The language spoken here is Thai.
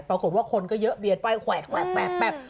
ปรากฏว่าคนก็เยอะเบียดไปแขวดแขวดแขวดแขวด